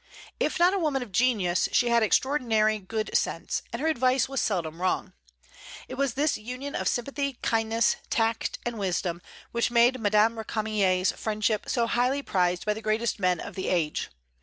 If not a woman of genius, she had extraordinary good sense, and her advice was seldom wrong. It was this union of sympathy, kindness, tact, and wisdom which made Madame Récamier's friendship so highly prized by the greatest men of the age.